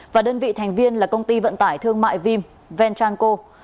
và đơn vị thành viên là công ty vận tải thương mại vim venchal